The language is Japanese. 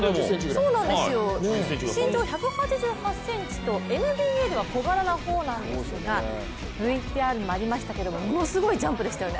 身長１８８ｃｍとＮＢＡでは小柄な方なんですがＶＴＲにもありましたけどものすごいジャンプでしたよね。